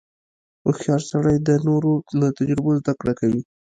• هوښیار سړی د نورو له تجربو زدهکړه کوي.